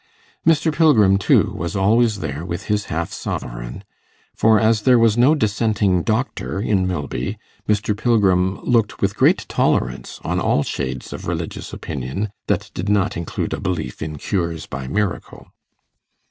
Mr. Pilgrim, too, was always there with his half sovereign; for as there was no Dissenting doctor in Milby, Mr. Pilgrim looked with great tolerance on all shades of religious opinion that did not include a belief in cures by miracle.